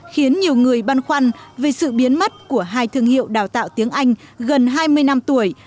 khiến nhiều người băn khoăn về sự biến mất của hai thương hiệu đào tạo tiếng anh gần hai mươi năm tuổi